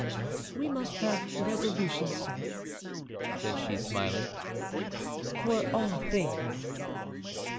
"We must have resolution, sir," said she, smiling, "for all things."